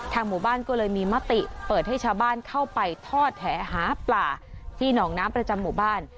หมู่บ้านก็เลยมีมติเปิดให้ชาวบ้านเข้าไปทอดแหหาปลาที่หนองน้ำประจำหมู่บ้าน